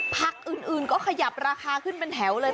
ผักอื่นก็ขยับราคาขึ้นเป็นแถวเลย